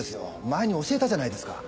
前に教えたじゃないですか。